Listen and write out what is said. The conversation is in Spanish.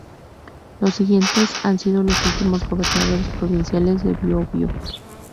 Los siguientes han sido los últimos gobernadores provinciales de Biobío.